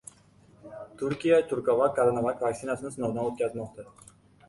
Turkiya Turkovac-Coronovac vaksinasini sinovdan o‘tkazmoqda